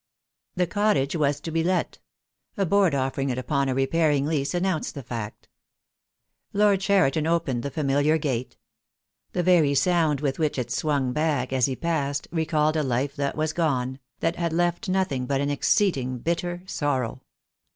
The cottage was to be let. A board offering it upon a repairing lease announced the fact. Lord Cheriton opened the familiar gate. The very sound with which it swung back as he passed recalled a life that was gone, that had left nothing but an exceeding bitter sorrow.